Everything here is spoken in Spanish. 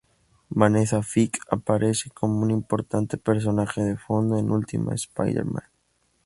Vanessa Fisk aparece como un importante personaje de fondo en "Ultimate Spider-Man".